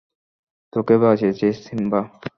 তোকে বাঁচিয়েছি, সিম্বা!